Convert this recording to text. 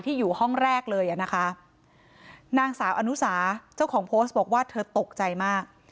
อยู่ห้องแรกเลยอ่ะนะคะนางสาวอนุสาเจ้าของโพสต์บอกว่าเธอตกใจมาก